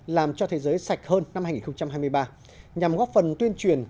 làm cho thế giới sạch hơn năm hai nghìn hai mươi ba nhằm góp phần tuyên truyền